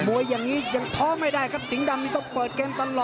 วยอย่างนี้ยังท้อไม่ได้ครับสิงห์ดำนี่ต้องเปิดเกมตลอด